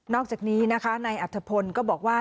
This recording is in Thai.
นอกจากนี้ในอภิปนก็บอกว่า